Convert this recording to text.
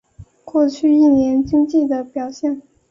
过去一年经济的表现